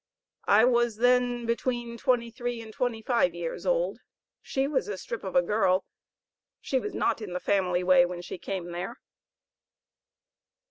I was then between twenty three and twenty five years old; she was a strip of a girl; she was not in the family way when she came there.